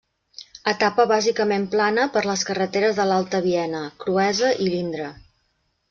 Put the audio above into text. Etapa bàsicament plana per les carreteres de l'Alta Viena, Cruesa i l'Indre.